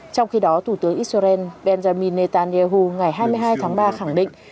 trong khi đó thủ tướng israel benjamin netanyahu ngày hai mươi hai tháng ba khẳng định